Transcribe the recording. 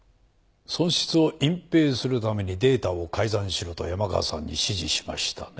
損失を隠蔽するためにデータを改ざんしろと山川さんに指示しましたね？